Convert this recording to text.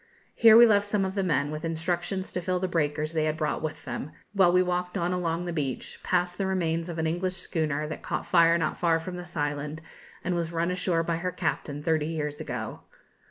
Here we left some of the men, with instructions to fill the breakers they had brought with them, while we walked on along the beach, past the remains of an English schooner that caught fire not far from this island, and was run ashore by her captain, thirty years ago.